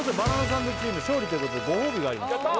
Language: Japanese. サンドチーム勝利ということでご褒美があります